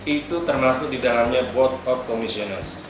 itu termasuk di dalamnya board of commissioners